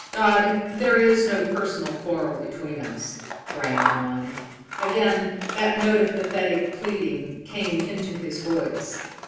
"Dodd, there is no personal quarrel between us," Bram went on. Again that note of pathetic pleading came into his voice.